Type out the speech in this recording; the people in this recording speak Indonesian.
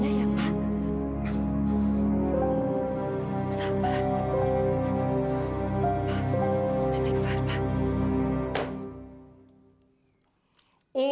pak istighfar pak